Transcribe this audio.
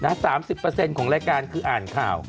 ๓๐ของรายการคืออ่านข่าว